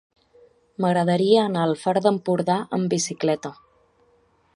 M'agradaria anar al Far d'Empordà amb bicicleta.